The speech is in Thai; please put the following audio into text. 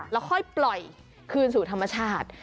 แล้วค่อยปล่อยคืนสู่ธรรมชาติ